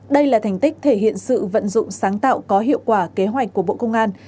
đây là thành tích thể hiện sự vận dụng sáng tạo có hiệu quả kế hoạch của bộ công an